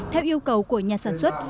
theo yêu cầu của nhà sản xuất